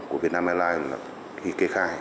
của vietnam airlines khi kê khai